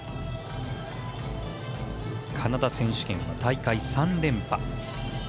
カナダ選手権は大会３連覇。